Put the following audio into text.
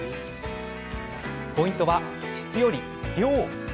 ポイントは、質より量。